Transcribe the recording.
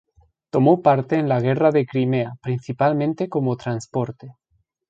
Tomó parte en la Guerra de Crimea, principalmente como transporte.